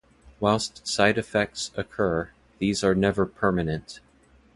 Whilst side effects occur, these are never permanent.